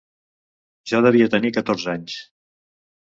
Jo devia tenir catorze anys.